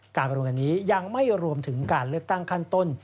รวมกันนี้ยังไม่รวมถึงการเลือกตั้งขั้นต้น